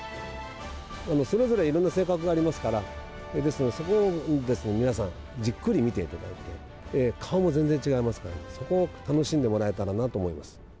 それぞれいろんな性格がありますから、そこを皆さん、じっくり見ていただいて、顔も全然違いますからね、そこを楽しんでもらえたらなと思います。